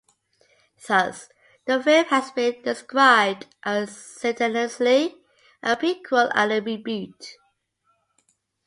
Thus, the film has been described as simultaneously a prequel and a reboot.